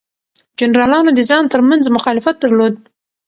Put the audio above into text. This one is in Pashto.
جنرالانو د ځان ترمنځ مخالفت درلود.